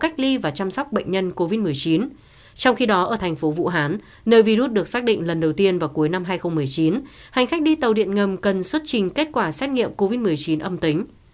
trong khi đó ở thành phố vũ hán nơi virus được xác định lần đầu tiên vào cuối năm hai nghìn một mươi chín hành khách đi tàu điện ngầm cần xuất trình kết quả xét nghiệm covid một mươi chín âm tính